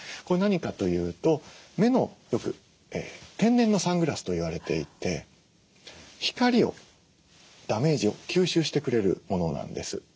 これ何かというと目のよく天然のサングラスといわれていて光をダメージを吸収してくれるものなんです。